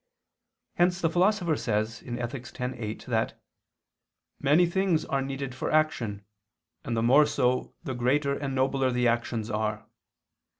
Hence the Philosopher says (Ethic. x, 8) that "many things are needed for action, and the more so, the greater and nobler the actions are.